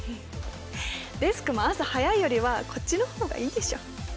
デスクも朝早いよりはこっちの方がいいでしょ。